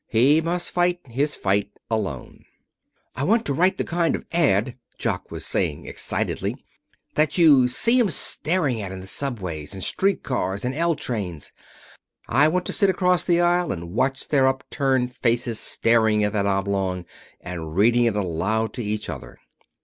He must fight his fight alone. "I want to write the kind of ad," Jock was saying excitedly, "that you see 'em staring at in the subways, and street cars and L trains. I want to sit across the aisle and watch their up turned faces staring at that oblong, and reading it aloud to each other."